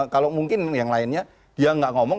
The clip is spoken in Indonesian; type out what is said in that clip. kalau mungkin yang lainnya dia nggak ngomong